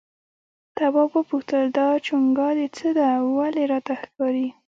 تواب وپوښتل دا چونگا د څه ده ولې راته ښکاري؟